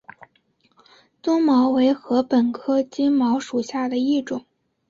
棕茅为禾本科金茅属下的一个种。